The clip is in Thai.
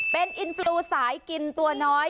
เป็นอินฟลูสายกินตัวน้อย